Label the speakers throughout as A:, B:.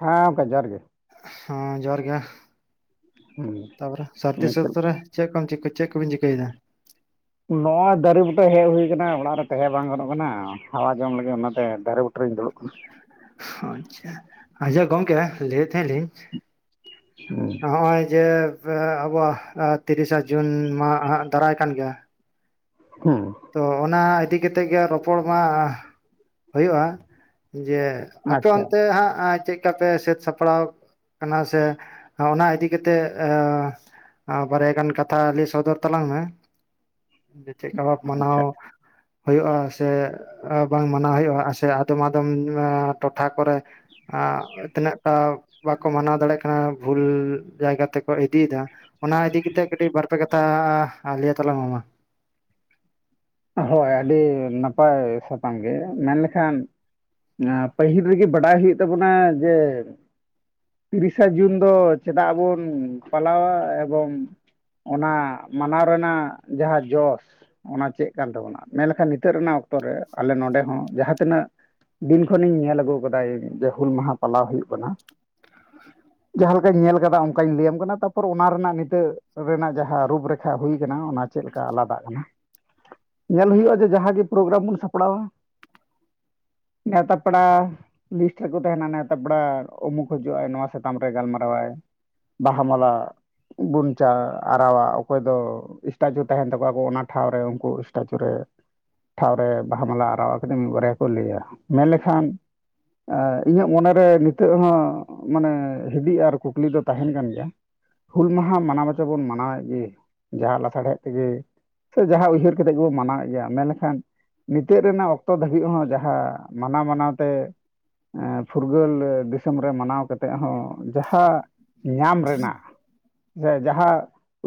A: ᱦᱮᱸ ᱜᱚᱝᱠᱮ ᱡᱚᱦᱟᱨ ᱜᱮ।
B: ᱦᱮᱸ ᱡᱚᱦᱟᱨ ᱜᱮ ᱛᱟᱯᱚᱨᱮ ᱥᱟᱨᱫᱤ
A: ᱦᱩᱸ
B: [unintelligible] ᱨᱮ᱾ ᱪᱮᱫ ᱠᱚᱢ ᱪᱤᱠᱟ ᱪᱮᱫ ᱠᱚ ᱵᱤᱱ ᱪᱤᱠᱟ. ᱭ ᱫᱟ?
A: ᱵᱟ ᱫᱟᱨᱮ ᱵᱩᱴᱟᱹ ᱦᱮᱡ ᱦᱩᱭ ᱠᱟᱱᱟ ᱚᱲᱟᱜ ᱨᱮ ᱛᱟᱸᱦᱮ ᱵᱟᱝ ᱜᱟᱱᱚᱜ ᱠᱟᱱᱟ। ᱦᱟᱣᱟ ᱡᱚᱢ ᱞᱟᱹᱜᱤᱫ ᱚᱱᱟᱛᱮ ᱫᱟᱨᱮ ᱵᱩᱴᱟᱹ ᱨᱤᱧ ᱫᱩᱲᱩᱵ ᱟᱠᱟᱱᱟ।
B: ᱟᱪᱪᱷᱟ ᱟᱪᱪᱷᱟ ᱠᱚᱝᱠᱮ ᱡᱮ [inaudible] [unintelligible] ᱱᱚᱜᱼᱚᱭ ᱡᱮ ᱟᱸᱼᱮᱸᱟᱸᱻᱻᱟᱵᱚᱣᱟᱜ ᱛᱤᱨᱤᱥᱟ ᱡᱩᱱ ᱢᱟ ᱟᱸᱻ ᱦᱟᱸᱜ ᱫᱟᱨᱟᱭ ᱠᱟᱱ ᱜᱮᱭᱟ।
A: ᱦᱮᱸ [inaudible]
B: ᱛᱚ ᱚᱱᱟ ᱤᱫᱤ ᱠᱟᱛᱮᱫ ᱜᱮ ᱨᱚᱯᱚᱲ ᱢᱟ ᱦᱩᱭᱩᱜᱼᱟ ᱡᱮ ᱟᱯᱮ
A: ᱟᱪᱪᱷᱟ
B: ᱚᱱᱛᱮ ᱦᱟᱸᱜ ᱪᱮᱫ ᱛᱟᱯᱮ ᱥᱟᱹᱛ ᱥᱟᱯᱲᱟᱣ ᱟᱠᱟᱱᱟ ᱥᱮ ᱚᱱᱟ ᱤᱫᱤ ᱠᱟᱛᱮᱫ ᱟ ᱵᱟᱨᱭᱟ ᱜᱟᱱ ᱠᱟᱛᱷᱟ ᱞᱟᱹᱭ ᱥᱚᱫᱚᱨ ᱛᱟᱞᱟᱝ ᱢᱮ। ᱪᱮᱫ ᱞᱮᱠᱟᱯᱮ ᱢᱟᱱᱟᱣ
A: ᱟᱪᱪᱷᱟ
B: ᱦᱩᱭᱩᱜᱼᱟ ᱥᱮ ᱵᱟᱝ ᱢᱟᱱᱟᱣ ᱦᱩᱭᱩᱜᱼᱟ, ᱥᱮ ᱟᱫᱚᱢ ᱟᱫᱚᱢ ᱢᱟᱸᱻ ᱴᱚᱴᱷᱟ ᱠᱚᱨᱮ ᱟᱻ ᱛᱤᱱᱟᱹᱜ ᱛᱚ ᱵᱟᱠᱚ ᱢᱟᱱᱟᱣ ᱫᱟᱲᱮᱭᱟᱜ ᱠᱟᱱᱟ ᱵᱷᱩᱞ ᱡᱟᱭᱜᱟ ᱛᱮᱠᱚ ᱤᱫᱤ ᱮᱫᱟ। ᱚᱱᱟ ᱤᱫᱤ ᱠᱟᱛᱮᱫ ᱠᱟᱹᱴᱤᱡ ᱵᱟᱨ-ᱯᱮ ᱠᱟᱛᱷᱟ ᱞᱟᱹᱭ ᱛᱟᱞᱟᱝ ᱢᱮ ᱢᱟ।
A: ᱦᱳᱭ ᱟᱹᱰᱤ ᱱᱟᱯᱟᱭ ᱥᱟᱛᱟᱢ ᱜᱮ ᱢᱮᱱᱞᱮᱠᱷᱟᱱ ᱯᱟᱹᱦᱤᱞ ᱨᱮᱜᱮ ᱵᱟᱰᱟᱭ ᱦᱩᱭᱩᱜ ᱛᱟᱵᱚᱱᱟ ᱡᱮ ᱛᱤᱨᱤᱥᱟ ᱡᱩᱱ ᱫᱚ ᱪᱮᱫᱟᱜ ᱵᱚᱱ ᱯᱟᱞᱟᱣ-ᱟ ᱮᱵᱚᱝ ᱚᱱᱟ ᱢᱟᱱᱟᱣ ᱨᱮᱱᱟᱜ ᱡᱟᱸᱦᱟ ᱡᱚᱥ ᱚᱱᱟ ᱪᱮᱫ ᱠᱟᱱ ᱛᱟᱵᱚᱱᱟ, ᱢᱮᱱᱞᱠᱷᱟᱱ ᱱᱤᱛᱚᱜ ᱨᱮᱱᱟᱜ ᱚᱠᱛᱚ ᱨᱮ ᱟᱞᱮ ᱱᱚᱰᱮ ᱦᱚᱸ ᱡᱟᱦᱟᱸ ᱛᱤᱱᱟᱹᱜ ᱫᱤᱱ ᱠᱷᱚᱱᱤᱧ ᱧᱮᱞ ᱟᱹᱜᱩ ᱟᱠᱟᱫᱟᱧ ᱡᱮ ᱦᱩᱞ ᱢᱟᱦᱟ ᱯᱟᱞᱟᱣ ᱦᱩᱭᱩᱜ ᱠᱟᱱᱟ ᱡᱟᱦᱟᱸ ᱞᱮᱠᱟᱧ ᱧᱮᱞ ᱟᱠᱟᱫᱼᱟ ᱚᱱᱠᱟᱧ ᱞᱟᱹᱭᱟᱢ ᱠᱟᱱᱟ ᱛᱟᱯᱚᱨ ᱚᱱᱟ ᱨᱮᱱᱟᱜ ᱱᱤᱛᱚᱜ ᱨᱮᱱᱟᱜ ᱡᱟᱦᱟᱸ ᱨᱩᱯᱨᱮᱠᱷᱟ ᱦᱩᱭ ᱟᱠᱟᱱᱟ ᱚᱱᱟ ᱪᱮᱫ ᱞᱮᱠᱟ ᱟᱞᱟᱫᱟᱜ ᱠᱟᱱᱟ ᱧᱮᱞ ᱦᱩᱭᱩᱜᱼᱟ ᱡᱮ ᱡᱟᱦᱟᱸ ᱜᱮ ᱯᱨᱳᱜᱨᱟᱢ ᱵᱚᱱ ᱥᱟᱯᱲᱟᱣᱟ ᱱᱮᱶᱛᱟ ᱯᱮᱲᱟ ᱞᱤᱥᱴ ᱨᱮᱠᱚ ᱛᱟᱦᱮᱱᱟ ᱱᱮᱣᱛᱟ ᱯᱮᱲᱟ ᱚᱢᱩᱠ ᱦᱤᱡᱩᱜ ᱟᱭ, ᱱᱚᱣᱟ ᱥᱟᱛᱟᱢ ᱨᱮ ᱜᱟᱞᱢᱟᱨᱟᱣᱟᱭ ᱵᱟᱦᱟ ᱢᱟᱞᱟ ᱵᱩᱱ ᱪᱟ ᱟᱨᱣᱟ ᱚᱠᱚᱭ ᱫᱚ ᱥᱴᱟᱪᱩ ᱛᱟᱦᱮᱱ ᱛᱟᱠᱚᱣᱟ ᱠᱚ ᱚᱱᱟ ᱴᱷᱟᱶ ᱨᱮ ᱩᱱᱠᱩ ᱮᱴᱟᱪᱩ ᱨᱮ ᱴᱷᱟᱶ ᱨᱮ ᱵᱟᱦᱟ ᱢᱟᱞᱟ ᱟᱨᱟᱣ ᱠᱟᱛᱮᱫ ᱢᱤᱫ ᱵᱟᱨᱭᱟ ᱠᱚ ᱞᱟᱹᱭᱟ ᱢᱮᱱᱞᱠᱷᱟᱱ ᱟᱻ ᱤᱧᱟᱹᱜ ᱢᱚᱱᱮ ᱨᱮ ᱱᱤᱛᱚᱜ ᱦᱚᱸ ᱢᱟᱱᱮ ᱦᱤᱫᱤᱡ ᱟᱨ ᱠᱩᱠᱞᱤ ᱫᱚ ᱛᱟᱦᱮᱱ ᱠᱟᱱ ᱜᱮᱭᱟ ᱦᱩᱞ ᱢᱟᱦᱟ ᱢᱟᱱᱟᱣ ᱵᱟᱪᱚ ᱵᱚᱱ ᱢᱟᱱᱟᱣᱮᱫ ᱜᱮ ᱡᱟᱦᱟᱸ ᱞᱟᱥᱟᱲᱦᱮᱫ ᱛᱮᱜᱮ ᱥᱮ ᱡᱟᱦᱟᱸ ᱩᱭᱦᱟᱹᱨ ᱠᱟᱛᱮᱫ ᱜᱮ ᱵᱚᱱ ᱢᱟᱱᱟᱣᱮᱫ ᱜᱮᱭᱟ ᱢᱮᱱᱞᱮᱠᱷᱟᱱ ᱱᱤᱛᱚᱜ ᱨᱮᱱᱟᱜ ᱚᱠᱛᱚ ᱫᱷᱟᱹᱵᱤᱡ ᱦᱚᱸ ᱡᱟᱦᱟᱸ ᱢᱟᱱᱟᱣ ᱢᱟᱱᱟᱣ ᱛᱮ ᱯᱷᱩᱨᱜᱟᱹᱞ ᱫᱤᱥᱚᱢ ᱨᱮ ᱢᱟᱱᱟᱣ ᱠᱟᱛᱮᱫ ᱦᱚᱸ ᱡᱟᱦᱟᱸ ᱧᱟᱢ ᱨᱮᱱᱟᱜ ᱥᱮ ᱡᱟᱦᱟᱸ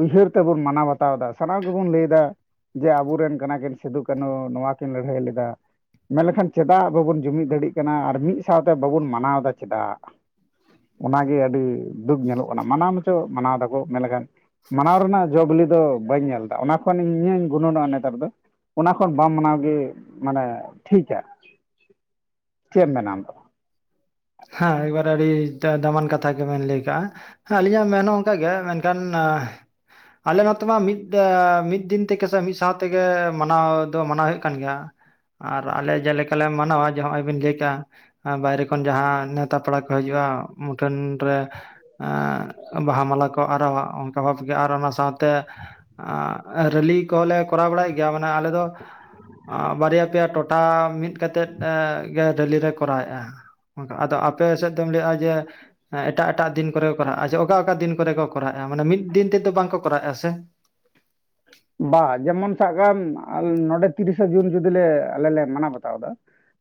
A: ᱩᱭᱦᱟᱹᱨ ᱛᱮᱵᱚᱱ ᱢᱟᱱᱟᱣ ᱵᱟᱛᱟᱣ ᱮᱫᱟ ᱥᱟᱱᱟᱢ ᱜᱮ ᱵᱚᱱ ᱞᱟᱹᱭ ᱮᱫᱟ ᱡᱮ ᱟᱵᱚ ᱨᱮᱱ ᱠᱟᱱᱟ ᱠᱤᱱ ᱥᱤᱫᱩ ᱠᱟᱹᱱᱷᱩ ᱱᱚᱣᱟ ᱠᱤᱱ ᱞᱟᱹᱲᱦᱟᱹᱭ ᱞᱮᱫᱟ ᱢᱮᱱ ᱞᱮᱠᱷᱟᱱ ᱪᱮᱫᱟᱜ ᱵᱟᱵᱚᱱ ᱡᱩᱢᱤᱫ ᱫᱟᱲᱮᱭᱟᱜ ᱠᱟᱱᱟ ᱟᱨ ᱢᱤᱫ ᱥᱟᱶᱛᱮ ᱵᱟᱵᱚᱱ ᱢᱟᱱᱟᱣ ᱮᱫᱟ ᱪᱮᱫᱟᱜ? ᱚᱱᱟᱜᱮ ᱟᱹᱰᱤ ᱫᱩᱠ ᱧᱮᱞᱚᱜ ᱠᱟᱱᱟ ᱢᱟᱱᱟᱣ ᱢᱟᱪᱚ ᱢᱟᱱᱟᱣ ᱮᱫᱟᱠᱚ ᱢᱮᱱ ᱞᱮᱠᱷᱟᱱ ᱢᱟᱱᱟᱣ ᱨᱮᱱᱟᱜ ᱡᱚ ᱵᱤᱞᱤ ᱫᱚ ᱵᱟᱹᱧ ᱧᱮᱞ ᱮᱫᱟ ᱚᱱᱟ ᱠᱷᱚᱱ ᱤᱧ ᱤᱧᱟᱹᱧ ᱜᱩᱱᱟᱹᱱ ᱱᱚᱜᱼᱟ ᱱᱮᱛᱟᱨ ᱫᱚ ᱚᱱᱟ ᱠᱷᱚᱱ ᱵᱟᱢ ᱢᱟᱱᱟᱣ ᱜᱮ ᱢᱟᱱᱮ ᱴᱷᱤᱠᱼᱟ ᱪᱮᱫ ᱮᱢ ᱢᱮᱱᱟ ᱟᱢ ᱫᱚ
B: ᱦᱮᱸ ᱮᱠᱵᱟᱨ ᱟᱹᱰᱤ ᱫᱟᱢᱟᱱ ᱠᱟᱛᱷᱟ ᱜᱮᱵᱮᱱ ᱞᱟᱹᱭ ᱟᱠᱟᱫᱼᱟ ᱾ ᱦᱟ ᱟᱹᱞᱤᱧᱟᱜ ᱢᱮᱱ ᱦᱚᱸ ᱚᱱᱠᱟ ᱜᱮ ᱢᱮᱱᱠᱷᱟᱱ ᱟᱞᱮ ᱢᱟᱛᱚ ᱢᱟ ᱢᱤᱫᱼᱫᱟ ᱢᱤᱫ ᱫᱤᱱ ᱛᱮᱜᱮ ᱥᱮ ᱢᱤᱫ ᱥᱟᱶ ᱛᱮᱜᱮ ᱢᱟᱱᱟᱣ ᱫᱚ ᱢᱟᱱᱟᱣᱜ ᱦᱩᱭᱩᱜ ᱠᱟᱱ ᱜᱮᱭᱟ ᱟᱨ ᱟᱞᱮ ᱡᱮ ᱞᱮᱠᱟ ᱞᱮ ᱢᱟᱱᱟᱣ ᱟᱻ ᱡᱮ ᱱᱚᱜᱚᱭ ᱵᱤᱱ ᱞᱟᱹᱭ ᱠᱟᱜᱼᱟ ᱵᱟᱦᱟᱨᱮ ᱡᱟᱦᱟᱸ ᱱᱮᱶᱛᱟ ᱯᱮᱲᱟ ᱠᱚ ᱦᱤᱡᱩᱜᱼᱟ ᱢᱩᱴᱷᱟᱹᱱ ᱨᱮ ᱟᱻᱻ ᱵᱟᱦᱟ ᱢᱟᱞᱟ ᱠᱚ ᱟᱨᱟᱣᱟ ᱚᱱᱠᱟ ᱵᱷᱟᱵ ᱜᱮ ᱟᱨ ᱚᱱᱟ ᱥᱟᱶ ᱛᱮ ᱟᱻᱻ ᱨᱮᱞᱤ ᱠᱚ ᱦᱚᱸᱞᱮ ᱠᱚᱨᱟᱣ ᱵᱟᱲᱟᱭ ᱜᱮ ᱜᱮᱭᱟ ᱢᱟᱱᱮ ᱟᱞᱮ ᱫᱚ ᱵᱟᱨᱭᱟ ᱯᱮᱭᱟ ᱴᱚᱴᱷᱟ ᱢᱤᱫ ᱠᱟᱛᱮᱫ ᱜᱮ ᱨᱮᱞᱤ ᱨᱮ ᱠᱚᱨᱟᱣ ᱮᱫᱼᱟ ᱚᱱᱠᱟ ᱟᱫᱚ ᱟᱯᱮ ᱥᱮᱫ ᱫᱚᱢ ᱞᱟᱹᱭ ᱮᱫᱼᱟ ᱡᱮ ᱮᱴᱟᱜ ᱮᱴᱟᱜ ᱫᱤᱱ ᱠᱚᱨᱮ ᱠᱚ ᱠᱚᱨᱟᱣᱼᱟ ᱚᱪᱷᱟ ᱚᱠᱟ ᱚᱠᱟ ᱫᱤᱱ ᱠᱚᱨᱮ ᱠᱚᱨᱟᱣ ᱮᱜᱼᱟ ᱢᱟᱱᱮ ᱢᱤᱫ ᱫᱤᱱ ᱛᱮᱫᱚ ᱵᱟᱝ ᱠᱚ ᱠᱚᱨᱟᱣᱼᱟ ᱥᱮ
A: ᱵᱟ ᱡᱮᱢᱚᱱ ᱥᱟᱵ ᱠᱟᱜᱢ ᱱᱚᱰᱮ ᱛᱤᱨᱤᱥᱟ ᱡᱩᱱ ᱡᱩᱫᱤ ᱞᱮ ᱟᱞᱮ ᱞᱮ ᱢᱟᱱᱟᱣ ᱵᱟᱛᱟᱣ ᱫᱟ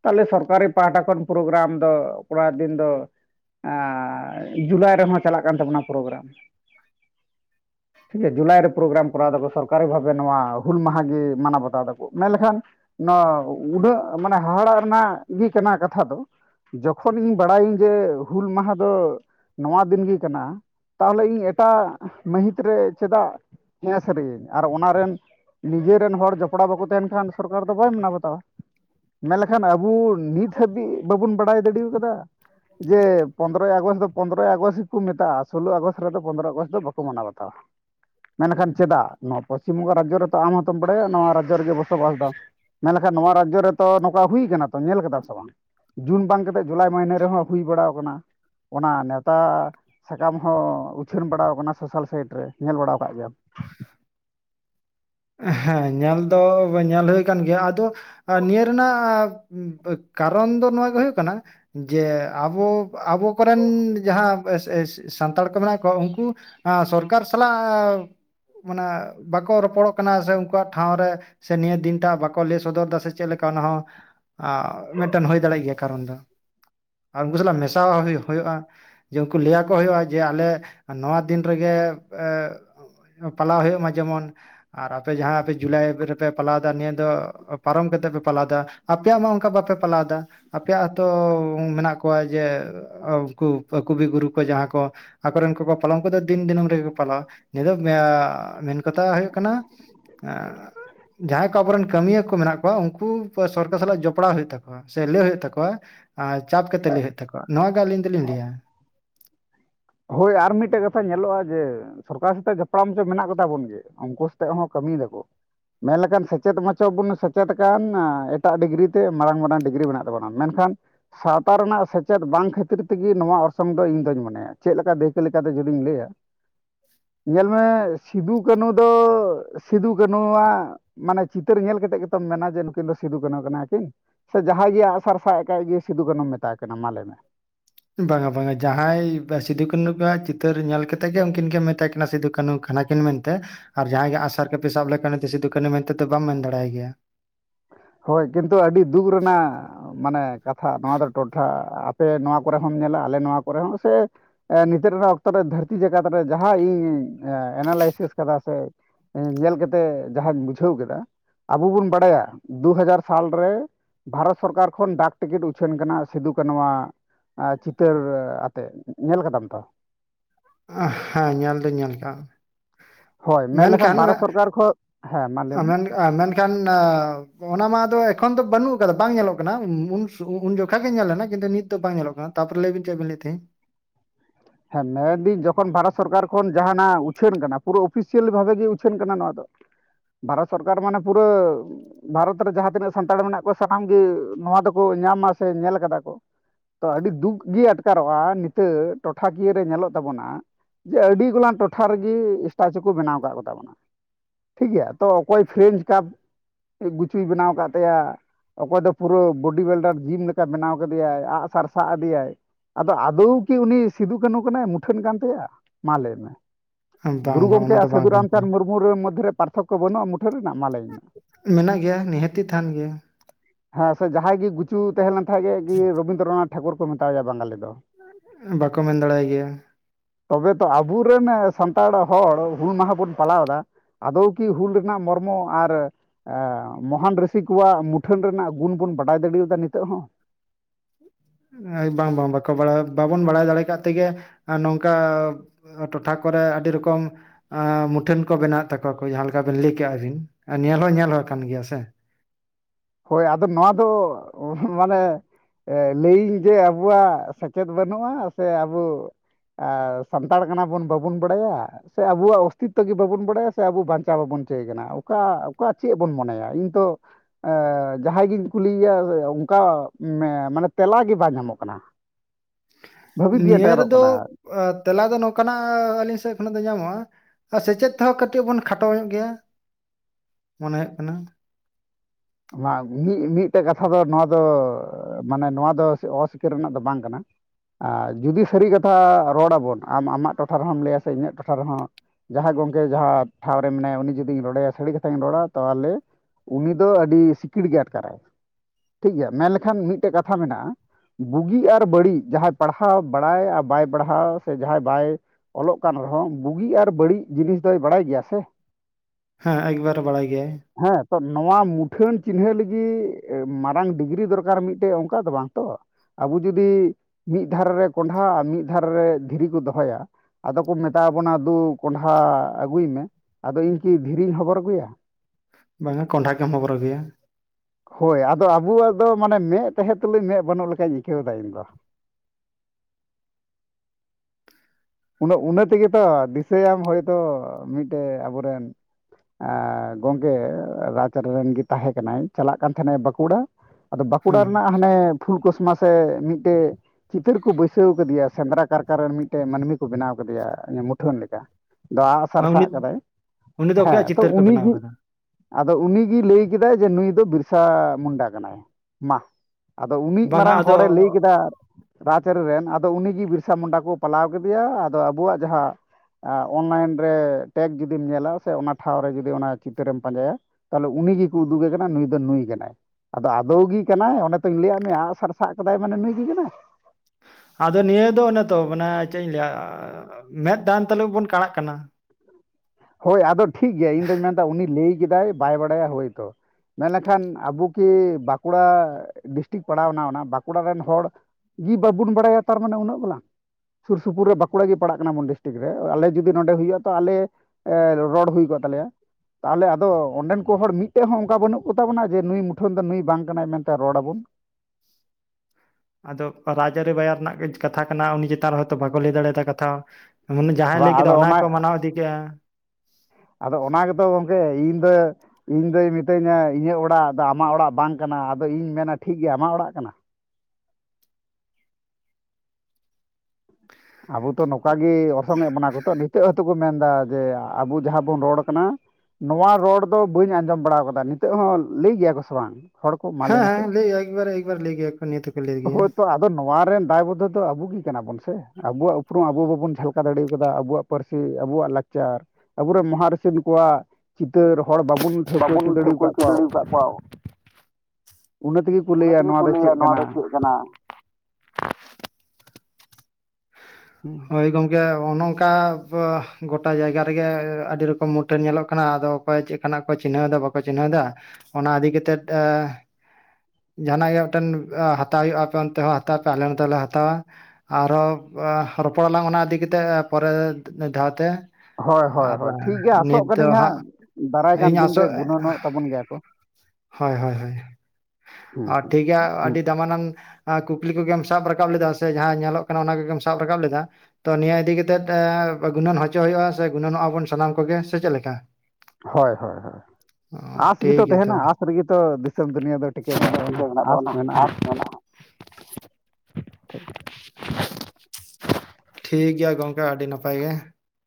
A: ᱛᱟᱦᱚᱞᱮ ᱥᱚᱨᱠᱟᱨᱤ ᱯᱟᱦᱴᱟ ᱠᱷᱚᱱ ᱯᱨᱳᱜᱨᱟᱢ ᱫᱚ ᱠᱚᱲᱟ ᱫᱤᱱ ᱫᱚ ᱟᱸᱻ ᱡᱩᱞᱟᱭ ᱨᱮᱦᱚᱸ ᱪᱟᱞᱟᱜ ᱠᱟᱱ ᱛᱟᱵᱚᱱᱟ ᱯᱨᱳᱜᱨᱟᱢ ᱴᱷᱤᱠ ᱜᱮᱭᱟ ᱡᱩᱞᱟᱭ ᱨᱮ ᱯᱨᱜᱨᱟᱢ ᱠᱚᱨᱟᱣ ᱫᱟ ᱠᱚ ᱥᱚᱨ ᱠᱟᱨᱤ ᱵᱷᱟᱵᱮ ᱱᱚᱣᱟ ᱦᱩᱞ ᱢᱟᱦᱟ ᱜᱤ ᱢᱟᱱᱟᱣ ᱵᱟᱛᱟᱣ ᱫᱟᱠᱚ ᱢᱮᱱ ᱞᱮᱠᱷᱟᱱ ᱱᱚᱣᱟ ᱩᱰᱹᱜ ᱢᱟᱱᱮ ᱦᱟᱦᱟᱲᱟᱜ ᱨᱮᱱᱟᱜ ᱜᱤ ᱠᱟᱱᱟ ᱠᱟᱛᱷᱟ ᱫᱚ ᱡᱚᱠᱷᱚᱱ ᱤᱧ ᱵᱟᱲᱟᱭᱟᱹᱧ ᱡᱮ ᱦᱩᱞ ᱢᱟᱦᱟ ᱫᱚ ᱱᱚᱣᱟ ᱫᱤᱱ ᱜᱮ ᱠᱟᱱᱟ ᱛᱟᱦᱚᱞᱮ ᱤᱧ ᱮᱴᱟᱜ ᱢᱟᱹᱦᱤᱛ ᱨᱮ ᱪᱮᱫᱟᱜ ᱦᱮᱸ ᱥᱟᱹᱨᱤᱭᱟᱹᱧ ᱟᱨ ᱚᱱᱟ ᱨᱮᱱ ᱱᱤᱡᱮᱨ ᱨᱤᱱ ᱦᱚᱲ ᱡᱚᱯᱲᱟᱣ ᱵᱟᱠᱚ ᱛᱟᱦᱮᱱ ᱠᱷᱟᱱ ᱥᱚᱨᱠᱟᱨ ᱫᱚ ᱵᱟᱭ ᱢᱟᱱᱟᱣ ᱵᱟᱛᱟᱣᱟ ᱢᱮᱱ ᱞᱮᱠᱷᱟᱱ ᱟᱵᱚ ᱱᱤᱛ ᱦᱟᱹᱵᱤᱡ ᱵᱟᱵᱚᱱ ᱵᱟᱲᱟᱭ ᱫᱟᱲᱤ ᱠᱟᱫᱟ ᱡᱮ ᱯᱚᱱᱫᱽᱨᱚᱭ ᱟᱜᱚᱥᱴ ᱫᱚ ᱯᱚᱱᱫᱽᱨᱚᱭ ᱟᱜᱚᱥᱴ ᱜᱮᱠᱚ ᱢᱮᱛᱟᱜᱼᱟ ᱥᱳᱞᱳ ᱟᱜᱚᱥᱴ ᱨᱮᱫᱚ ᱯᱚᱱᱨᱚ ᱟᱜᱚᱥᱴ ᱫᱚ ᱵᱟᱠᱚ ᱢᱟᱱᱟᱣ ᱵᱟᱛᱟᱣᱟ ᱢᱮᱱᱠᱷᱟᱱ ᱪᱮᱫᱟᱜ ᱱᱚᱣᱟ ᱯᱚᱥᱪᱤᱢ ᱵᱚᱝᱜ ᱨᱟᱡᱽᱡᱚ ᱨᱮᱛᱚ ᱟᱢ ᱦᱚᱸᱛᱚᱢ ᱵᱟᱲᱟᱭᱟ ᱱᱚᱣᱟ ᱨᱟᱡᱽᱡᱚ ᱨᱮᱜᱮ ᱵᱚᱥᱚᱵᱟᱥ ᱫᱚᱟᱢ ᱢᱮᱱ ᱞᱠᱷᱟᱱ ᱱᱚᱣᱟ ᱨᱟᱡᱽᱡᱚ ᱨᱮᱛᱚ ᱱᱚᱝᱠᱟ ᱦᱩᱭ ᱠᱟᱱᱟ ᱛᱚ ᱧᱮᱞ ᱠᱟᱫᱟᱢ ᱥᱮ ᱵᱟᱝ ᱡᱩᱱ ᱵᱟᱝ ᱠᱟᱛᱮᱫ ᱡᱩᱞᱟᱭ ᱢᱟᱹᱦᱱᱟᱹ ᱨᱮᱦᱚᱸ ᱦᱩᱭ ᱵᱟᱲᱟᱣ ᱠᱟᱱᱟ ᱚᱱᱟ ᱱᱮᱶᱛᱟ ᱥᱟᱠᱟᱢ ᱦᱚᱸ ᱩᱪᱷᱟᱹᱱ ᱵᱟᱲᱟᱣ ᱠᱟᱱᱟ ᱥᱳᱥᱟᱞ ᱥᱟᱭᱤᱴ ᱨᱮ ᱧᱮᱞ ᱵᱟᱲᱟ ᱠᱟᱜ ᱜᱮᱭᱟᱢ
B: ᱦᱮᱸ ᱧᱮᱞ ᱫᱚ ᱧᱮᱞ ᱦᱩᱭ ᱠᱟᱱ ᱜᱮᱭᱟ ᱟᱫᱚ ᱱᱤᱭᱟᱹ ᱨᱮᱱᱟᱜ ᱠᱟᱨᱚᱱ ᱫᱚ ᱱᱚᱣᱟ ᱜᱮ ᱦᱩᱭᱩᱜ ᱠᱟᱱᱟ ᱡᱮ ᱟᱵᱚ ᱟᱵᱚ ᱠᱚᱨᱮᱱ ᱡᱟᱦᱟᱸ ᱮᱥ ᱮᱥ ᱥᱟᱱᱛᱟᱲ ᱠᱚ ᱢᱮᱱᱟᱜ ᱠᱚᱣᱟ ᱩᱝᱠᱩ ᱥᱚᱨᱠᱟᱨ ᱥᱟᱞᱟᱜ ᱢᱟᱱᱮ ᱵᱟᱠᱚ ᱨᱚᱯᱚᱲᱚᱜ ᱠᱟᱱᱟ ᱥᱮ ᱩᱱᱠᱩᱣᱟᱜ ᱴᱷᱟᱶ ᱨᱮ ᱥᱮ ᱱᱤᱭᱟᱹ ᱫᱤᱱᱴᱟᱜ ᱵᱟᱠᱚ ᱞᱮᱭ ᱥᱚᱫᱚᱨ ᱫᱟ ᱥᱮ ᱪᱮᱜ ᱞᱮᱠᱟ ᱚᱱᱟ ᱦᱚᱸ ᱟ ᱢᱮᱫᱴᱮᱱ ᱦᱳᱭ ᱫᱟᱲᱮ ᱜᱮᱭᱟ ᱠᱟᱨᱚᱱ ᱫᱚ ᱟᱨ ᱩᱱᱠᱩ ᱥᱟᱞᱟᱜ ᱢᱮᱥᱟᱣ ᱦᱚᱸ ᱦᱳᱭᱳᱜᱼᱟ ᱡᱮ ᱩᱱᱠᱩ ᱞᱮᱭᱟᱠᱚ ᱦᱳᱭᱳᱜᱼᱟ ᱡᱮ ᱟᱞᱮ ᱱᱚᱣᱟ ᱫᱤᱱ ᱨᱮᱜᱮ ᱯᱟᱞᱟᱣ ᱦᱳᱭᱳᱜ ᱢᱟ ᱡᱮᱢᱚᱱ ᱟᱨ ᱟᱯᱮ ᱡᱟᱦᱟᱸ ᱟᱯᱮ ᱡᱩᱞᱟᱭ ᱨᱮᱯᱮ ᱯᱟᱞᱟᱣ ᱫᱟ ᱱᱤᱭᱟᱹ ᱫᱚ ᱯᱟᱨᱚᱢ ᱠᱟᱛᱮᱫ ᱯᱮ ᱯᱟᱞᱟᱣ ᱫᱟ ᱟᱯᱮᱭᱟᱜ ᱢᱟ ᱚᱱᱠᱟ ᱵᱟᱯᱮ ᱯᱟᱞᱟᱣ ᱫᱟ ᱟᱯᱮᱭᱟᱜ ᱦᱚᱛᱚ ᱢᱮᱱᱟᱜ ᱠᱚᱣᱟ ᱡᱮ ᱩᱝᱠᱩ ᱟᱹᱠᱩ ᱜᱤ ᱜᱩᱨᱩ ᱠᱚ ᱡᱟᱦᱟᱸ ᱠᱚ ᱟᱠᱚᱨᱮᱱ ᱠᱚ ᱠᱚ ᱯᱟᱞᱚᱱ ᱠᱚ ᱫᱚ ᱫᱤᱱ ᱫᱤᱱᱟᱹᱢ ᱨᱮᱜᱮ ᱠᱚ ᱯᱟᱞᱟᱣᱟ ᱱᱤᱫᱛᱚᱜ ᱢᱮᱱ ᱠᱟᱛᱷᱟ ᱦᱳᱭᱳᱜ ᱠᱟᱱᱟ ᱡᱟᱦᱟᱸᱭ ᱠᱚ ᱟᱵᱚᱨᱮᱱ ᱠᱟᱹᱢᱤᱭᱟᱹ ᱠᱚ ᱢᱮᱱᱟᱜ ᱠᱚᱣᱟ ᱩᱝᱠᱩ ᱥᱚᱨᱠᱟᱨ ᱥᱟᱞᱟᱜ ᱡᱚᱯᱲᱟᱣ ᱦᱳᱭᱳᱜ ᱛᱟᱠᱚᱣᱟ ᱥᱮ ᱞᱟᱹᱭ ᱦᱳᱭᱳᱜ ᱛᱟᱠᱚᱣᱟ ᱪᱟᱯ ᱠᱟᱛᱮᱜ ᱞᱟᱹᱭ ᱦᱳᱭᱳᱜ ᱛᱟᱠᱚᱣᱟ ᱱᱚᱣᱟ ᱜᱮ ᱟᱹᱞᱤᱧ ᱫᱚᱞᱤᱧ ᱞᱟᱹᱭᱟ
A: ᱦᱳᱭ ᱟᱨ ᱢᱤᱫᱴᱮᱡ ᱠᱟᱛᱷᱟ ᱧᱮᱞᱚᱜᱼᱟ ᱡᱮ ᱥᱚᱨᱠᱟᱨ ᱥᱟᱛᱮᱜ ᱡᱟᱯᱲᱟᱢ ᱦᱚᱪᱚ ᱢᱮᱱᱟᱜ ᱠᱚᱛᱟ ᱵᱚᱱ ᱜᱮ ᱩᱝᱠᱩ ᱥᱟᱛᱮᱜ ᱦᱚᱸ ᱠᱟᱹᱢᱤᱭ ᱫᱟᱠᱚ ᱢᱮᱱ ᱞᱮᱠᱷᱟᱱ ᱥᱮᱪᱮᱛ ᱢᱟᱪᱚ ᱵᱩᱱ ᱥᱮᱪᱮᱛ ᱟᱠᱟᱱ ᱮᱴᱟᱜ ᱰᱤᱜᱽᱨᱤ ᱛᱮ ᱢᱟᱨᱟᱝ ᱢᱟᱨᱟᱝ ᱰᱤᱜᱽᱨᱤ ᱢᱮᱱᱟᱜ ᱛᱟᱵᱚᱱᱟ ᱢᱮᱱᱠᱷᱟᱱ ᱥᱟᱶᱛᱟ ᱨᱮᱱᱟᱜ ᱥᱮᱪᱮᱫ ᱵᱟᱝ ᱠᱷᱟᱹᱛᱤᱨ ᱛᱤᱜᱤ ᱱᱚᱣᱟ ᱚᱨᱥᱚᱝ ᱫᱚ ᱤᱧ ᱫᱚᱧ ᱢᱚᱱᱮᱭᱟ ᱪᱮᱫ ᱞᱮᱠᱟ ᱫᱟᱹᱭᱠᱟᱹ ᱞᱮᱠᱟᱛᱮ ᱡᱩᱫᱤᱧ ᱞᱟᱹᱭᱟ ᱧᱮᱞ ᱢᱮ ᱥᱤᱫᱩ ᱠᱟᱹᱱᱩ ᱫᱚ ᱥᱤᱫᱩ ᱠᱟᱹᱱᱩᱣᱟᱜ ᱢᱟᱱᱮ ᱪᱷᱤᱛᱟᱹᱨ ᱧᱮᱞ ᱠᱟᱛᱮᱫ ᱜᱮᱛᱚᱢ ᱢᱮᱱᱟ ᱡᱮ ᱱᱩᱠᱤᱱ ᱫᱚ ᱥᱤᱫᱩ ᱠᱟᱹᱱᱩ ᱠᱟᱱᱟ ᱠᱤᱱ ᱥᱮ ᱡᱟᱦᱟᱸᱭ ᱜᱮ ᱟᱜ ᱥᱟᱨ ᱥᱟᱜ ᱠᱟᱭ ᱜᱤ ᱥᱤᱫᱩ ᱠᱟᱹᱱᱩ ᱢᱮᱛᱟᱣ ᱠᱤᱱᱟ ᱢᱟᱞᱟᱹᱭ ᱢᱮ
B: ᱵᱟᱝᱟ ᱵᱟᱝᱟ ᱡᱟᱦᱟᱸᱭ ᱥᱤᱫᱩ ᱠᱟᱹᱱᱩ ᱣᱟᱜ ᱪᱤᱛᱟᱹᱨ ᱧᱮᱞ ᱠᱟᱛᱮᱜ ᱜᱮ ᱩᱱᱠᱤᱱ ᱜᱮ ᱢᱮᱛᱟ ᱠᱤᱱᱟᱹ ᱥᱤᱫᱩ ᱠᱟᱹᱱᱩ ᱠᱟᱱᱟ ᱠᱤᱱ ᱢᱮᱱᱛᱮ ᱟᱨ ᱡᱟᱦᱟᱸᱭ ᱜᱮ ᱟᱜᱼᱥᱟᱨ ᱠᱟᱯᱤ ᱥᱟᱵ ᱞᱮᱠᱷᱟᱱ ᱩᱱᱤᱫᱚ ᱥᱤᱫᱩ ᱠᱟᱹᱱᱩ ᱢᱮᱱᱛᱮ ᱫᱚ ᱵᱟᱢ ᱢᱮᱱ ᱫᱟᱲᱮᱭᱟᱭ ᱜᱮᱭᱟ
A: ᱦᱳᱭ ᱠᱤᱱᱛᱩ ᱟᱹᱰᱤ ᱫᱩᱠ ᱨᱮᱱᱟᱜ ᱢᱟᱱᱮ ᱠᱟᱛᱷᱟ ᱱᱚᱣᱟ ᱫᱚ ᱴᱚᱴᱷᱟ ᱟᱯᱮ ᱱᱚᱣᱟ ᱠᱚᱨᱮ ᱦᱚᱸᱢ ᱧᱮᱞᱟ ᱟᱞᱮ ᱱᱚᱣᱟ ᱠᱚᱨᱮ ᱦᱚᱸ ᱥᱮ ᱮ ᱱᱤᱛᱚ ᱨᱮᱱᱟᱜ ᱚᱠᱛᱚ ᱨᱮ ᱫᱷᱟᱹᱨᱛᱤ ᱡᱟᱠᱟᱛ ᱨᱮ ᱡᱟᱦᱟᱸ ᱤᱧ ᱮᱱᱟᱞᱟᱭᱥᱤᱥ ᱠᱟᱫᱟ ᱥᱮ ᱧᱮᱞ ᱠᱟᱛᱮ ᱡᱟᱦᱟᱸᱧ ᱵᱩᱡᱷᱟᱹᱣ ᱠᱮᱫᱟ ᱟᱵᱚ ᱵᱚᱱ ᱵᱟᱲᱟᱭᱟ ᱫᱩ ᱦᱟᱡᱟᱨ ᱥᱟᱞ ᱨᱮ ᱵᱷᱟᱨᱚᱛ ᱥᱚᱨᱠᱟᱨ ᱠᱷᱚᱱ ᱰᱟᱠ ᱴᱤᱠᱤᱴ ᱩᱪᱷᱟᱹᱱ ᱠᱟᱱᱟ ᱥᱤᱫᱩ ᱠᱟᱹᱱᱩ ᱣᱟᱜ ᱪᱤᱛᱟᱹᱨ ᱟᱛᱮᱜ ᱧᱮᱞ ᱠᱟᱫᱟᱢ ᱛᱚ
B: ᱦᱮᱸ ᱧᱮᱞ ᱫᱩᱧ ᱧᱮᱞ ᱠᱟᱜᱼᱟ
A: ᱦᱳᱭ ᱢᱮᱱ ᱞᱮᱠᱷᱟᱱ
B: ᱢᱮᱱᱠᱷᱟᱱ
A: ᱵᱷᱟᱨᱚᱛ ᱥᱚᱨᱠᱟᱨ ᱠᱷᱚᱡ
B: ᱢᱮᱱ ᱢᱮᱱᱠᱷᱟᱱ ᱚᱱᱟ ᱢᱟ ᱟᱫᱚ ᱮᱠᱷᱚᱱ ᱫᱚ ᱵᱟᱹᱱᱩᱜ ᱠᱟᱫᱟ ᱵᱟᱝ ᱧᱮᱞᱚᱜ ᱠᱟᱱᱟ ᱩᱱ ᱥᱩ ᱩᱱ ᱡᱚᱠᱷᱟᱡ ᱜᱮ ᱧᱮᱞ ᱞᱮᱱᱟ ᱠᱤᱱᱛᱩ ᱱᱤᱛ ᱫᱚ ᱵᱟᱝ ᱧᱮᱞᱚᱜ ᱠᱟᱱᱟ ᱛᱟᱯᱚᱨᱮ ᱞᱟᱹᱭᱵᱤᱱ ᱪᱮᱜ ᱵᱤᱱ ᱞᱟᱹᱭᱮᱫ ᱛᱟᱦᱮ
A: ᱦᱮᱸ ᱢᱮᱱᱫᱤᱧ ᱡᱚᱠᱷᱚᱱ ᱵᱷᱟᱨᱚᱛ ᱥᱚᱨᱠᱟᱨ ᱠᱷᱚᱱ ᱡᱟᱦᱟᱱᱟᱜ ᱩᱪᱷᱟᱹᱱ ᱠᱟᱱᱟ ᱯᱩᱨᱟᱹ ᱚᱯᱷᱤᱥᱤᱭᱟᱞᱤ ᱵᱷᱟᱵᱮ ᱜᱮ ᱩᱪᱷᱟᱹᱱ ᱠᱟᱱᱟ ᱱᱚᱣᱟ ᱫᱚ ᱵᱷᱟᱨᱚᱛ ᱥᱚᱨᱠᱟᱨ ᱢᱟᱱᱮ ᱯᱩᱨᱟᱹ ᱵᱷᱟᱨᱚᱛ ᱨᱮ ᱡᱟᱦᱟᱸ ᱛᱤᱱᱟᱹᱜ ᱥᱟᱱᱛᱟᱲ ᱢᱮᱱᱟᱜ ᱠᱚᱣᱟ ᱥᱟᱱᱟᱢ ᱜᱮ ᱱᱚᱣᱟ ᱫᱚᱠᱚ ᱧᱟᱢᱟ ᱥᱮ ᱧᱮᱞ ᱠᱟᱫᱟ ᱠᱚ ᱛᱚ ᱟᱹᱰᱤ ᱫᱩᱠ ᱜᱤ ᱟᱴᱠᱟᱨᱚᱜᱼᱟ ᱱᱤᱛᱟᱹᱜ ᱴᱚᱴᱷᱟᱠᱤᱭᱟᱹ ᱨᱮ ᱧᱮᱞᱚᱜ ᱛᱟᱵᱚᱱᱟ ᱡᱮ ᱟᱹᱰᱤ ᱜᱚᱞᱟᱱ ᱴᱚᱴᱷᱟ ᱨᱮᱜᱮ ᱥᱴᱟᱪᱩ ᱠᱚ ᱵᱮᱱᱟᱣ ᱠᱟᱜ ᱠᱚ ᱛᱟᱵᱚᱱᱟ ᱴᱷᱤᱠᱜᱮᱭᱟ ᱛᱚ ᱚᱠᱚᱭ ᱯᱷᱨᱮᱧᱡᱽ ᱠᱟᱯ ᱜᱩᱪᱩᱭ ᱵᱮᱱᱟᱣ ᱠᱟᱜ ᱛᱟᱭᱟ ᱚᱠᱚᱭ ᱫᱚ ᱯᱩᱨᱟᱹ ᱵᱚᱰᱤ ᱵᱤᱞᱰᱟᱨ ᱡᱤᱢ ᱞᱮᱠᱟ ᱵᱮᱱᱟᱣ ᱠᱟ ᱫᱤᱭᱟᱭ ᱟᱜᱼᱥᱟᱨ ᱥᱟᱵ ᱟᱫᱮᱭᱟᱭ ᱟᱫᱚ ᱟᱫᱚᱣ ᱠᱤ ᱩᱱᱤ ᱥᱤᱫᱩᱠᱟᱹᱱᱩ ᱠᱟᱱᱟᱭ ᱢᱩᱴᱷᱟᱹᱱ ᱠᱟᱱ ᱛᱟᱭᱟ ᱢᱟ ᱞᱟᱹᱭ ᱢᱮ
B: ᱵᱟᱝ
A: ᱜᱩᱨᱩ
B: ᱵᱟᱝ ᱚᱱᱟ ᱫᱚ
A: ᱜᱚᱝᱠᱮᱭᱟᱜ
B: ᱵᱟᱝ
A: ᱥᱟᱹᱫᱷᱩ
B: ᱠᱟᱱ ᱛᱟᱭᱟ
A: ᱨᱟᱢᱪᱟᱸᱫᱽ ᱢᱩᱨᱢᱩ ᱢᱩ ᱢᱚᱫᱽᱫᱷᱮᱨᱮ ᱯᱟᱨᱛᱷᱚᱠᱚ ᱵᱟᱹᱱᱩᱜᱼᱟ ᱢᱩᱴᱷᱟᱹᱱ ᱨᱮᱱᱟᱜ ᱢᱟᱞᱟᱹᱭ ᱢᱮ
B: ᱢᱮᱱᱟᱜ ᱜᱮᱭᱟ ᱱᱤᱦᱟᱹᱛᱤ ᱛᱟᱦᱮᱱ ᱜᱮᱭᱟ
A: ᱦᱮᱸ ᱥᱮ ᱡᱟᱦᱟᱸᱭ ᱜᱤ ᱜᱩᱪᱩ ᱛᱟᱦᱮᱸ ᱞᱮᱱᱠᱷᱟᱡ ᱜᱮ ᱨᱚᱵᱤᱱᱫᱨᱚᱱᱟᱛᱷ ᱴᱷᱟᱠᱩᱨ ᱠᱚ ᱢᱮᱛᱟᱣᱟᱭᱟ ᱵᱟᱝᱜᱟᱞᱤ ᱫᱚ
B: ᱵᱟᱠᱚ ᱢᱮᱱ ᱫᱟᱲᱮᱭᱟᱭ ᱜᱮᱭᱟ
A: ᱛᱚᱵᱮ ᱛᱚ ᱟᱵᱩᱨᱮᱱ ᱥᱟᱱᱛᱟᱲ ᱦᱚᱲ ᱦᱩᱞ ᱢᱟᱦᱟ ᱵᱚᱱ ᱯᱟᱞᱟᱣ ᱫᱟ ᱟᱫᱚᱣ ᱠᱤ ᱦᱩᱞ ᱨᱮᱱᱟᱜ ᱢᱚᱨᱢᱚ ᱟᱨ ᱢᱚᱦᱟᱱ ᱨᱤᱥᱤ ᱠᱚᱣᱟᱜ ᱢᱩᱴᱷᱟᱹᱱ ᱨᱮᱱᱟᱜ ᱜᱩᱱ ᱵᱚᱱ ᱵᱟᱰᱟᱭ ᱫᱟᱲᱮᱭᱟᱫᱟ ᱱᱤᱛᱚᱜ ᱦᱚᱸ
B: ᱵᱟᱝ ᱵᱟᱝ ᱵᱟᱠᱚ ᱵᱟᱲᱟᱭ ᱵᱟᱵᱚᱱ ᱵᱟᱲᱟᱭ ᱫᱟᱲᱮ ᱠᱟᱜ ᱛᱮᱜᱮ ᱟ ᱱᱚᱝᱠᱟ ᱴᱚᱴᱷᱟ ᱠᱚᱨᱮ ᱟᱰᱤ ᱨᱚᱠᱚᱢ ᱟ ᱢᱩᱴᱷᱟᱹᱱ ᱠᱚ ᱵᱮᱱᱟᱣᱮᱫ ᱛᱟᱠᱚᱣᱟ ᱠᱚ ᱡᱟᱦᱟᱸ ᱞᱮᱠᱟ ᱵᱤᱱ ᱞᱟᱹᱭ ᱠᱮᱜᱼᱟ ᱵᱤᱱ ᱧᱮᱞ ᱦᱚᱸ ᱧᱮᱞ ᱦᱚᱸ ᱟᱠᱟᱱ ᱜᱮᱭᱟ ᱥᱮ
A: ᱦᱳᱭ ᱟᱫᱚ ᱱᱚᱣᱟ ᱫᱚ ᱢᱟᱱᱮ ᱞᱟᱹᱭᱟᱹᱧ ᱡᱮ ᱟᱵᱚᱣᱟᱜ ᱥᱮᱪᱮᱫ ᱵᱟᱹᱱᱩᱜᱼᱟ ᱥᱮ ᱟᱵᱩ ᱟᱨ ᱥᱟᱱᱛᱟᱲ ᱠᱟᱱᱟ ᱵᱚᱱ ᱵᱟᱵᱚᱱ ᱵᱟᱰᱟᱭᱟ ᱥᱮ ᱟᱵᱚᱣᱟᱜ ᱚᱥᱛᱤᱛᱚ ᱜᱮ ᱵᱟᱵᱚᱱ ᱵᱟᱰᱟᱭᱟ ᱥᱮ ᱟᱵᱚ ᱵᱟᱧᱪᱟᱣ ᱵᱟᱵᱚᱱ ᱪᱟᱹᱭ ᱠᱟᱱᱟ ᱚᱠᱟ ᱚᱠᱟ ᱪᱮᱫ ᱵᱚᱱ ᱢᱚᱱᱮᱭᱟ ᱤᱧ ᱛᱚ ᱡᱟᱦᱟᱸᱭ ᱜᱤᱧ ᱠᱩᱞᱤᱭᱮᱭᱟ ᱚᱱᱠᱟ ᱢᱮ ᱢᱟᱱᱮ ᱛᱮᱞᱟ ᱜᱮ ᱵᱟᱝ ᱧᱟᱢᱚᱜ ᱠᱟᱱᱟ ᱵᱷᱟᱹᱵᱤᱛ ᱜᱮ
B: ᱱᱤᱭᱟᱹ
A: ᱟᱴᱠᱟᱨᱚᱜ
B: ᱨᱮᱫᱚ
A: ᱠᱟᱱᱟ
B: ᱛᱮᱞᱟ ᱫᱚ ᱱᱚᱠᱟᱱᱟᱜ ᱟᱹᱞᱤᱧ ᱥᱮᱫ ᱠᱷᱚᱱᱟᱜ ᱫᱚ ᱧᱟᱢᱚᱜᱼᱟ ᱥᱮᱪᱮᱫ ᱛᱮᱦᱚᱸ ᱠᱟᱹᱴᱤᱡ ᱵᱚᱱ ᱠᱷᱟᱴᱚ ᱧᱚᱜ ᱜᱮᱭᱟ ᱢᱚᱱᱮ ᱦᱩᱭᱩᱜ ᱠᱟᱱᱟ
A: ᱚᱱᱟ ᱢᱤ ᱢᱤᱫᱴᱟᱹ ᱠᱟᱛᱷᱟ ᱫᱚ ᱱᱚᱣᱟ ᱫᱚ ᱢᱟᱱᱮ ᱱᱚᱣᱟ ᱫᱚ ᱚᱥᱤᱠᱟᱹᱨ ᱨᱮᱱᱟᱜ ᱫᱚ ᱵᱟᱝ ᱠᱟᱱᱟ ᱟᱨ ᱡᱩᱫᱤ ᱥᱟᱹᱨᱤ ᱠᱟᱛᱷᱟ ᱨᱚᱲ ᱟᱵᱚᱱ ᱟᱢ ᱟᱢᱟᱜ ᱴᱚᱴᱷᱟ ᱨᱮᱦᱚᱸᱚᱢ ᱞᱟᱹᱭᱟ ᱥᱮ ᱤᱧᱟᱹᱜ ᱴᱚᱴᱷᱟ ᱨᱮᱦᱚᱸ ᱡᱟᱦᱟᱸᱭ ᱜᱚᱢᱠᱮ ᱡᱟᱦᱟᱸ ᱴᱷᱟᱶ ᱨᱮ ᱢᱮᱱᱟᱭᱟ ᱩᱱᱤ ᱡᱩᱫᱤᱧ ᱨᱚᱲᱮᱭᱟ ᱥᱟᱹᱨᱤ ᱠᱟᱛᱷᱟᱧ ᱨᱚᱲᱟ ᱛᱟᱦᱚᱞᱮ ᱩᱱᱤ ᱫᱚ ᱟᱹᱰᱤ ᱟᱹᱰᱤ ᱥᱤᱠᱤᱲ ᱜᱮ ᱟᱴᱠᱟᱨᱟᱭ ᱴᱷᱤᱠ ᱜᱮᱭᱟ ᱢᱮᱱᱞᱠᱷᱟᱱ ᱢᱤᱫᱴᱟᱹᱜ ᱠᱟᱛᱷᱟ ᱢᱮᱱᱟᱜᱼᱟ ᱵᱩᱜᱤ ᱟᱨ ᱵᱟᱹᱲᱤᱡ ᱡᱟᱦᱟᱭ ᱯᱟᱲᱦᱟᱣ ᱵᱟᱲᱟᱭ ᱟᱨ ᱵᱟᱭ ᱯᱟᱲᱦᱟᱣ ᱥᱮ ᱡᱟᱦᱟᱸᱭ ᱵᱟᱭ ᱚᱞᱚᱜ ᱠᱟᱱ ᱨᱮᱦᱚᱸ ᱵᱩᱜᱤ ᱟᱨ ᱵᱟᱹᱲᱤᱡ ᱡᱤᱱᱤᱥ ᱫᱚᱭ ᱵᱟᱲᱟᱭ ᱜᱮᱭᱟ ᱥᱮ
B: ᱦᱮᱸ ᱮᱠᱵᱟᱨᱮ ᱵᱟᱲᱟᱭ ᱜᱮᱭᱟᱭ
A: ᱦᱮᱸ ᱛᱚ ᱱᱚᱣᱟ ᱠᱷᱟᱹᱱ ᱪᱤᱱᱦᱟᱹᱣ ᱞᱟᱹᱜᱤᱫ ᱢᱟᱨᱟᱝ ᱰᱤᱜᱽᱨᱤ ᱫᱚᱨᱠᱟᱨ ᱢᱤᱫᱴᱟᱹᱜ ᱚᱱᱠᱟ ᱫᱚ ᱵᱟᱝ ᱛᱚ ᱟᱵᱚ ᱡᱩᱫᱤ ᱢᱤᱫ ᱫᱷᱟᱨᱮ ᱨᱮ ᱠᱚᱸᱱᱰᱷᱟ ᱟᱨ ᱢᱤᱫ ᱫᱷᱟᱨᱮ ᱨᱮ ᱫᱷᱤᱨᱤ ᱠᱚ ᱫᱚᱦᱚᱭᱟ ᱟᱫᱚ ᱠᱚ ᱢᱮᱛᱟ ᱵᱚᱱᱟ ᱫᱩ ᱠᱚᱸᱱᱰᱷᱟ ᱟᱹᱜᱩᱭ ᱢᱮ ᱟᱫᱚ ᱤᱧ ᱠᱤ ᱫᱷᱤᱨᱤᱧ ᱦᱚᱵᱚᱨ ᱟᱹᱜᱩᱭᱟ
B: ᱵᱟᱝᱟ ᱠᱸᱱᱰᱷᱟ ᱜᱮᱢ ᱦᱚᱵᱚᱨ ᱟᱹᱜᱩᱭᱟ
A: ᱦᱳᱭ ᱟᱫᱚ ᱟᱵᱚᱣᱟᱜ ᱫᱚ ᱢᱟᱱᱮ ᱢᱮᱫ ᱛᱟᱦᱮ ᱛᱩᱞᱩᱡ ᱢᱮᱫ ᱵᱟᱹᱱᱩᱜ ᱞᱮᱠᱟᱧ ᱵᱩᱡᱷᱟᱹᱣᱮᱫᱟ ᱤᱧ ᱫᱚ ᱩᱱᱟᱹᱜ ᱩᱱᱟᱹ ᱛᱮᱜᱮ ᱛᱚ ᱫᱤᱥᱟᱹᱭᱟᱢ ᱦᱚᱭᱛᱳ ᱢᱤᱫᱴᱟᱹ ᱟᱵᱚᱨᱮᱱ ᱟᱨ ᱜᱚᱝᱠᱮ ᱨᱟᱡᱽ ᱨᱮᱱ ᱜᱮ ᱛᱟᱦᱮᱸ ᱠᱟᱱᱟᱭ ᱪᱟᱞᱟᱜ ᱠᱟᱱ ᱛᱟᱦᱮᱱᱟᱭ ᱵᱟᱠᱩᱲᱟ ᱟᱫᱚ ᱵᱟᱠᱩᱲᱟ
B: ᱦᱮᱸ
A: ᱨᱮᱱᱟᱜ ᱦᱟᱱᱮ ᱯᱷᱩᱞ ᱠᱚᱥᱢᱟ ᱥᱮ ᱢᱤᱫᱴᱟᱹᱜ ᱪᱤᱛᱟᱹᱨ ᱠᱚ ᱵᱟᱹᱭᱥᱟᱹᱣ ᱠᱟᱫᱮᱭᱟ ᱥᱮᱸᱫᱽᱨᱟ ᱠᱟᱨᱠᱟ ᱨᱮᱱ ᱢᱤᱫᱴᱟᱹ ᱢᱟᱹᱱᱢᱤ ᱠᱚ ᱵᱮᱱᱟᱣ ᱟᱠᱟᱫᱮᱭᱟ ᱢᱩᱴᱷᱟᱹᱱ ᱞᱮᱠᱟ ᱫᱟ ᱟᱥᱟᱨ
B: ᱵᱟᱝ ᱩᱱᱤ
A: ᱥᱟᱵ ᱠᱟᱫᱟᱭ
B: ᱩᱱᱤ ᱫᱚ
A: ᱦᱮᱸ
B: ᱚᱠᱚᱭᱟᱜ
A: ᱛᱚ
B: ᱪᱤᱛᱟᱹᱨ ᱠᱚ ᱵᱮᱱᱟᱣ
A: ᱩᱱᱤᱜᱤ
B: ᱠᱟᱫᱟ
A: ᱟᱫᱚ ᱩᱱᱤᱜᱤ ᱞᱟᱹᱭ ᱠᱮᱫᱟᱭ ᱡᱮ ᱱᱩᱭ ᱫᱚ ᱵᱤᱨᱥᱟ ᱢᱩᱱᱰᱟ ᱠᱟᱱᱟᱭ ᱢᱟ ᱟᱫᱚ ᱩᱱᱤᱡ
B: ᱵᱟᱝᱟ
A: ᱢᱟᱨᱟᱝ
B: ᱟᱫᱚ
A: ᱦᱚᱲᱮ ᱞᱟᱹᱭ ᱠᱮᱫᱟ ᱨᱟᱡᱽᱟᱹᱨᱤ ᱨᱮᱱ ᱟᱫᱚ ᱩᱱᱤᱜᱤ ᱵᱤᱨᱥᱟ ᱢᱩᱱᱰᱟ ᱠᱚ ᱯᱟᱞᱟᱣ ᱠᱮ ᱭᱟ ᱟᱫᱚ ᱟᱵᱚᱣᱟᱜ ᱡᱟᱦᱟ ᱚᱱᱞᱟᱹᱭᱤᱱ ᱨᱮ ᱴᱮᱜᱽ ᱡᱩᱫᱤᱢ ᱧᱮᱞᱟ ᱥᱮ ᱚᱱᱟ ᱴᱷᱟᱶ ᱨᱮ ᱡᱩᱫᱤ ᱚᱱᱟ ᱪᱤᱛᱟᱹᱨᱮᱢ ᱯᱟᱸᱡᱟᱭᱟ ᱾ ᱛᱟᱦᱚᱞᱮ ᱩᱱᱤ ᱜᱮᱠᱚ ᱩᱫᱩᱜᱮ ᱠᱟᱱᱟ ᱱᱩᱭ ᱫᱚ ᱱᱩᱭ ᱠᱟᱱᱟᱭ ᱾ ᱟᱫᱚ ᱟᱫᱚ ᱜᱤ ᱠᱟᱱᱟᱭ ᱚᱱᱮ ᱛᱚᱧ ᱞᱟᱹᱭᱟᱫ ᱢᱮᱭᱟ ᱟᱜ ᱥᱟᱨ ᱥᱟᱵ ᱟᱠᱟᱫᱟᱭ ᱢᱟᱱᱮ ᱱᱩᱭ ᱜᱤ ᱠᱟᱱᱟᱭ ᱾
B: ᱟᱫᱚ ᱱᱤᱭᱟᱹ ᱫᱚ ᱚᱱᱮ ᱛᱚ ᱢᱟᱱᱮ ᱪᱮᱫ ᱤᱧ ᱞᱟᱹᱭᱟ ᱢᱮᱫ ᱫᱟᱱ ᱛᱩᱞᱩᱡ ᱵᱚᱱ ᱠᱟᱬᱟᱜ ᱠᱟᱱᱟ ᱾
A: ᱦᱳᱭ ᱟᱫᱚ ᱴᱷᱤᱠ ᱜᱮᱭᱟ ᱤᱧᱫᱚᱧ ᱢᱮᱱᱫᱟ ᱩᱱᱤ ᱞᱟᱹᱭ ᱠᱮᱫᱟᱭ ᱵᱟᱭ ᱵᱟᱲᱟᱭᱟ ᱦᱳᱭᱛᱚ ᱾ ᱢᱮᱱᱞᱠᱷᱟᱱ ᱟᱵᱚ ᱠᱤ ᱵᱟᱸᱠᱩᱲᱟ ᱰᱤᱥᱴᱤᱠ ᱯᱟᱲᱟᱣᱱᱟ ᱚᱱᱟ ᱵᱟᱸᱠᱩᱲᱟ ᱨᱮᱱ ᱦᱚᱲ ᱜᱤ ᱵᱟᱵᱩᱱ ᱵᱟᱲᱟᱭᱟ ᱛᱟᱨᱢᱟᱱᱮ ᱩᱱᱟᱹᱜ ᱵᱟᱞᱟᱝ ᱥᱩᱨ ᱥᱩᱯᱩᱨ ᱨᱮ ᱵᱟᱸᱠᱩᱲᱟ ᱜᱮ ᱯᱟᱲᱟᱜ ᱠᱟᱱᱟ ᱵᱚᱱ ᱰᱤᱥᱴᱤᱠ ᱨᱮ ᱟᱞᱮ ᱡᱩᱫᱤ ᱱᱚᱸᱰᱮ ᱦᱩᱭᱩᱜᱼᱟ ᱛᱚ ᱟᱞᱮ ᱮ ᱨᱚᱲ ᱦᱩᱭ ᱠᱚᱜ ᱛᱟᱞᱮᱭᱟ ᱾ ᱛᱟᱦᱚᱞᱮ ᱟᱫᱚ ᱚᱸᱰᱮᱱ ᱠᱚ ᱦᱚᱲ ᱢᱤᱫᱴᱮᱡ ᱦᱚᱸ ᱚᱱᱠᱟ ᱵᱟᱹᱱᱩᱜ ᱠᱚᱛᱟᱵᱳᱱᱟ ᱡᱮ ᱱᱩᱭ ᱢᱩᱴᱷᱟᱱ ᱫᱚ ᱱᱩᱭ ᱵᱟᱝ ᱠᱟᱱᱟᱭ ᱢᱮᱱᱛᱮ ᱨᱚᱲ ᱟᱵᱚᱱ
B: ᱟᱫᱚ ᱨᱟᱡᱽᱼᱟᱹᱨᱤ ᱵᱟᱭᱟᱨ ᱨᱮᱱᱟᱜ ᱜᱮ ᱠᱟᱛᱷᱟ ᱠᱟᱱᱟ ᱩᱱᱤ ᱪᱮᱛᱟᱱ ᱨᱮ ᱦᱚᱭᱛᱳ ᱵᱟᱠᱚ ᱞᱟᱹᱭ ᱫᱟᱲᱮᱭᱟᱫᱟ ᱠᱟᱛᱷᱟ [unintelligible] ᱢᱟᱱᱮ ᱡᱟᱦᱟᱸᱭ
A: ᱵᱟ
B: ᱞᱟᱹᱭ ᱠᱮᱫᱟ
A: ᱟᱫᱚ
B: ᱚᱱᱟ ᱠᱚ ᱢᱟᱱᱟᱣ ᱤᱫᱤ ᱠᱮᱫᱼᱟ ᱾
A: ᱟᱫᱚ ᱚᱱᱟ ᱜᱮᱛᱚ ᱜᱚᱢᱠᱮ ᱤᱧ ᱫᱚ ᱤᱧ ᱫᱚᱭ ᱢᱤᱛᱟᱹᱧᱟ ᱤᱧᱟᱹᱜ ᱚᱲᱟᱜ ᱫᱚ ᱟᱢᱟᱜ ᱚᱲᱟᱜ ᱵᱟᱝ ᱠᱟᱱᱟ ᱟᱫᱚ ᱤᱧ ᱢᱮᱱᱟ ᱴᱷᱤᱠ ᱜᱮᱭᱟ ᱟᱢᱟᱜ ᱚᱲᱟᱜ ᱠᱟᱱᱟ ᱾ ᱟᱵᱚ ᱛᱚ ᱱᱚᱝᱠᱟ ᱜᱮ ᱚᱨᱥᱚᱝᱮᱫ ᱵᱚᱱᱟ ᱠᱚ ᱛᱚ ᱱᱤᱛᱚᱜ ᱦᱚᱸᱛᱚ ᱠᱚ ᱢᱮᱱᱫᱟ ᱡᱮ ᱟᱵᱚ ᱡᱟᱦᱟᱸ ᱵᱚᱱ ᱨᱚᱲ ᱠᱟᱱᱟ ᱾ ᱱᱚᱣᱟ ᱨᱚᱲ ᱫᱚ ᱵᱟᱹᱧ ᱟᱸᱡᱚᱢ ᱵᱟᱲᱟ ᱟᱠᱟᱫᱟ ᱱᱤᱛᱚᱜ ᱦᱚᱸ ᱞᱟᱹᱭ ᱜᱮᱭᱟ ᱠᱚ ᱥᱮ ᱵᱟᱝ ᱦᱚᱲ ᱠᱚ ᱢᱟ
B: ᱦᱮᱸ
A: ᱞᱟᱹᱭ ᱢᱮᱥᱮ
B: ᱦᱮᱸ ᱞᱟᱹᱭᱮᱭᱟ ᱮᱠᱵᱟᱨ ᱮᱠᱵᱟᱨ ᱞᱟᱹᱭ ᱜᱮᱭᱟ ᱠᱚ ᱱᱤᱛ ᱦᱚᱸᱠᱚ ᱞᱟᱹᱭ ᱜᱮᱭᱟ ᱾
A: ᱦᱳᱭᱛᱚ ᱟᱫᱚ ᱱᱚᱣᱟ ᱨᱮᱱ ᱫᱟᱭ ᱵᱳᱫᱷᱚ ᱫᱚ ᱟᱵᱩ ᱜᱮ ᱠᱟᱱᱟᱵᱚᱱ ᱥᱮ ᱟᱵᱚᱣᱟᱜ ᱩᱯᱨᱩᱢ ᱟᱵᱚ ᱵᱟᱵᱚᱱ ᱡᱷᱟᱞᱠᱟᱣ ᱫᱟᱲᱮ ᱟᱠᱟᱫᱟ ᱟᱵᱚᱣᱟᱜ ᱯᱟᱹᱨᱥᱤ ᱟᱵᱚᱣᱟᱜ ᱞᱟᱠᱪᱟᱨ ᱟᱵᱚᱨᱮᱱ ᱢᱚᱦᱟᱨᱤᱥᱤᱱ ᱠᱚᱣᱟᱜ ᱪᱤᱛᱟᱹᱨ ᱦᱚᱲ ᱵᱟᱵᱚᱱ ᱴᱷᱟᱹᱣᱠᱟᱹ ᱦᱚᱪᱚ
B: ᱵᱟᱵᱚᱱ
A: ᱫᱟᱲᱮ
B: ᱴᱷᱟᱹᱣᱠᱟᱹ
A: ᱟᱠᱟᱫ
B: ᱦᱚᱪᱚ ᱫᱟᱲᱮ
A: ᱠᱚᱣᱟ
B: ᱟᱠᱟᱫ ᱠᱚᱣᱟ
A: ᱾ ᱚᱱᱟᱹ ᱛᱮᱜᱮ ᱠᱚ
B: ᱚᱱᱟ
A: ᱞᱟᱹᱭᱟ
B: ᱛᱮᱜᱮ
A: ᱱᱚᱣᱟ
B: ᱠᱚ
A: ᱫᱚ
B: ᱞᱟᱹᱭᱟ
A: ᱪᱮᱫ
B: ᱱᱚᱣᱟ
A: ᱠᱟᱱᱟ᱾
B: ᱫᱚ ᱪᱮᱫ ᱠᱟᱱᱟ
A: ᱦᱩᱸ
B: ᱦᱳᱭ ᱜᱚᱝᱠᱮ ᱚᱱᱮ ᱚᱱᱠᱟ ᱜᱚᱴᱟ ᱡᱟᱭᱜᱟ ᱨᱮᱜᱮ ᱟᱹᱰᱤ ᱨᱚᱠᱚᱢ ᱢᱩᱴᱷᱟᱹᱱ ᱧᱮᱞᱚᱜ ᱠᱟᱱᱟ ᱟᱫᱚ ᱚᱠᱚᱭ ᱪᱮᱫ ᱞᱮᱠᱟᱱᱟᱜ ᱠᱚ ᱪᱤᱱᱦᱟᱹᱣ ᱮᱫᱟ ᱵᱟᱠᱚ ᱪᱤᱱᱦᱟᱹᱣ ᱮᱫᱟ ᱚᱱᱟ ᱤᱫᱤ ᱠᱟᱛᱮᱫ ᱟᱻ ᱡᱟᱦᱟᱸᱱᱟᱜ ᱜᱮ ᱢᱤᱫᱴᱮᱱ ᱦᱟᱛᱟᱣ ᱦᱩᱭᱩᱜᱼᱟᱯᱮ ᱚᱱᱛᱮ ᱦᱚᱸ ᱦᱟᱛᱟᱣ ᱯᱮ ᱟᱞᱮ ᱱᱚᱛᱮᱞᱮ ᱦᱟᱛᱟᱣᱟ ᱟᱨᱦᱚ ᱨᱚᱯᱚᱲ ᱟᱞᱟᱝ ᱚᱱᱟ ᱤᱫᱤ ᱠᱟᱛᱮᱜ ᱯᱚᱨᱮ ᱫᱷᱟᱣᱛᱮ
A: ᱦᱳᱭ ᱦᱳᱭ
B: ᱟᱫᱚ
A: ᱦᱳᱭ ᱴᱷᱤᱠ ᱜᱮᱭᱟ
B: ᱱᱤᱛ
A: ᱟᱥᱚᱜ
B: ᱫᱚ
A: ᱠᱟᱹᱱᱟᱹᱧ
B: ᱦᱟᱸᱜ
A: ᱫᱟᱨᱟᱭ
B: ᱤᱧ
A: ᱠᱟᱱ ᱫᱤᱱ ᱨᱮ
B: ᱟᱥᱚᱜ
A: ᱜᱩᱱᱟᱹᱱᱚᱜ ᱛᱟᱵᱚᱱ ᱜᱮᱭᱟ ᱠᱚ
B: ᱦᱳᱭ ᱦᱳᱭ ᱦᱳᱭ
A: ᱦᱮᱸ
B: ᱟᱨ
A: ᱦᱮᱸ
B: ᱴᱷᱤᱠ ᱜᱮᱭᱟ
A: ᱦᱮᱸ
B: ᱟᱹᱰᱤ ᱫᱟᱢᱟᱱᱟᱱ ᱠᱩᱠᱞᱤ ᱠᱚᱜᱮᱢ ᱥᱟᱵ ᱨᱟᱠᱟᱵ ᱞᱮᱫᱟ ᱥᱮ ᱡᱟᱦᱟᱸ ᱧᱮᱞᱚᱜ ᱠᱟᱱᱟ ᱾ ᱚᱱᱟ ᱜᱮᱢ ᱥᱟᱵ ᱨᱟᱠᱟᱵ ᱞᱮᱫᱟ᱾ ᱛᱚ ᱱᱤᱭᱟᱹ ᱤᱫᱤ ᱠᱟᱛᱮᱜ ᱜᱩᱱᱟᱹᱱ ᱦᱚᱪᱚ ᱦᱩᱭᱩᱜᱼᱟ ᱥᱮ ᱜᱩᱱᱟᱹᱱᱚᱜᱼᱟᱵᱚᱱ ᱥᱟᱱᱟᱢ ᱠᱚᱜᱮ ᱥᱮ ᱪᱮᱫ ᱞᱮᱠᱟ᱾
A: ᱦᱳᱭ ᱦᱳᱭ ᱦᱳᱭ
B: ᱚ
A: ᱟᱸᱥ ᱜᱮᱛᱚ
B: ᱴᱷᱤᱠ ᱜᱮᱭᱟ
A: ᱛᱟᱦᱮᱱᱟ
B: ᱛᱚᱵᱮ
A: ᱟᱸᱥ ᱨᱮᱜᱮ ᱛᱚ ᱫᱤᱥᱚᱢ ᱫᱩᱱᱤᱭᱟᱹ ᱫᱚ ᱴᱤᱠᱟᱹ ᱢᱮᱱᱟᱜ
B: ᱪᱮᱫ
A: ᱛᱟᱵᱚᱱᱟ
B: ᱪᱤᱠᱟᱹ ᱢᱮᱱᱟᱜ ᱫᱚ
A: ᱟᱥ
B: ᱚᱱᱟ
A: ᱢᱮᱱᱟᱜᱼᱟ
B: ᱟᱥ
A: ᱦᱟᱸᱜ
B: ᱢᱮᱱᱟᱜᱼᱟ
A: ᱴᱷᱤᱠ
B: ᱴᱷᱤᱠ ᱜᱮᱭᱟ ᱜᱚᱝᱠᱮ ᱟᱹᱰᱤ ᱱᱟᱯᱟᱭ ᱜᱮ